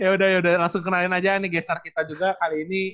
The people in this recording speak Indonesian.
yaudah yaudah langsung kenalin aja nih gestar kita juga kali ini